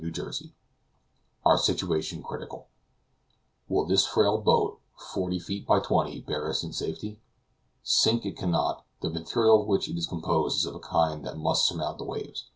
CHAPTER XXX OUR SITUATION CRITICAL WILL this frail boat, forty feet by twenty, bear us in safety? Sink it cannot; the material of which it is composed is of a kind that must surmount the waves.